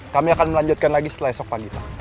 kami akan melanjutkan lagi setelah esok pagi pak